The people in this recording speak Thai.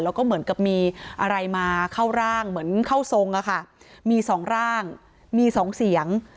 แล้วก็เหมือนกับมีอะไรมาเข้าร่างเหมือนเข้าทรงอะค่ะมีสองร่างมีสองเสียง